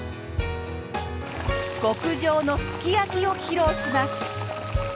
極上のすき焼きを披露します。